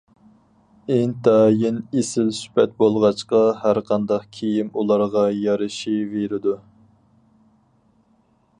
ئىنتايىن ئېسىل سۈپەت بولغاچقا ھەر قانداق كىيىم ئۇلارغا يارىشىۋېرىدۇ.